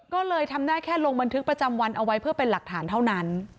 ก็เลยทำได้แค่ลงบันทึกประจำวันเอาไว้เพื่อเป็นหลักฐานเท่านั้น